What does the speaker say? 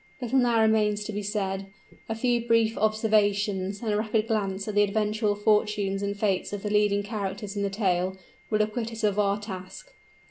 Little now remains to be said; a few brief observations and a rapid glance at the eventual fortunes and fates of the leading characters in the tale, will acquit us of our task.